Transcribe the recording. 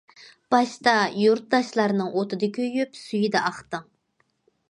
باشتا يۇرتداشلارنىڭ ئوتىدا كۆيۈپ، سۈيىدە ئاقتىڭ.